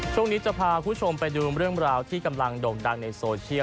ช่วงนี้จะพาคุณผู้ชมไปดูเรื่องราวที่กำลังโด่งดังในโซเชียล